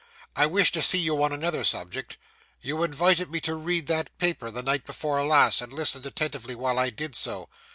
I wish to see you on another subject. You invited me to read that paper, the night before last, and listened attentively while I did so.